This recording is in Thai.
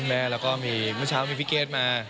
แล้วมันเช้ามีพี่เกฟมา